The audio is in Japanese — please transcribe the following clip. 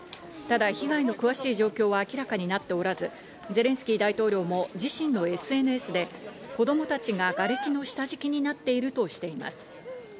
ただ被害の詳しい状況は明らかになっておらず、ゼレンスキー大統領も自身のＳＮＳで子供たちががれきの下敷きになっているとしています。